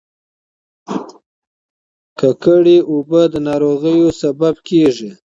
ککړې اوبه د ناروغیو لامل کیږي.